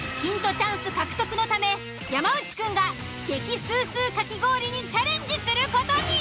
チャンス獲得のため山内くんが激スースーかき氷にチャレンジする事に。